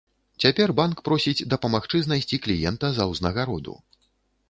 Цяпер банк просіць дапамагчы знайсці кліента за ўзнагароду.